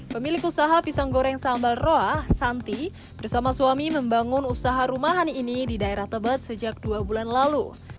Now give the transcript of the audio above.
pemilik usaha pisang goreng sambal roa santi bersama suami membangun usaha rumahan ini di daerah tebet sejak dua bulan lalu